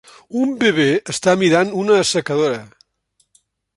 Un bebè està mirant una assecadora.